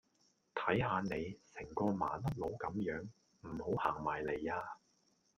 睇下你，成個麻甩佬甘樣，唔好行埋黎呀